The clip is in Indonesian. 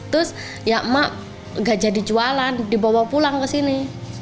terus ya emak nggak jadi jualan dibawa pulang ke sini